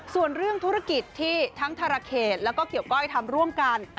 ส่วนเรื่องธุรกิจที่ทั้งธรเขตแล้วก็เกี่ยวก้อยทำร่วมกัน